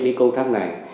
với công tác này